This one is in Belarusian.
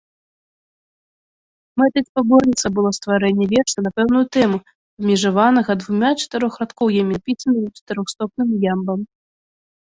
Мэтай спаборніцтва было стварэнне верша на пэўную тэму, абмежаванага двума чатырохрадкоўямі, напісанымі чатырохстопным ямбам.